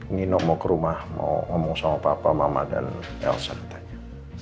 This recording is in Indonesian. nino mau ke rumah mau ngomong sama papa mama dan elsa katanya